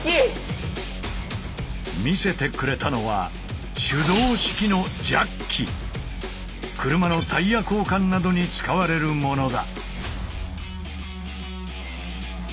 見せてくれたのは車のタイヤ交換などに使われるものだ。